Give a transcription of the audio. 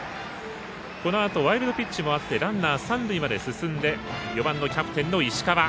このあとワイルドピッチもあってランナー、三塁まで進んで、４番、キャプテンの石川。